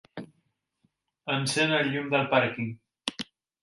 Encén el llum del pàrquing.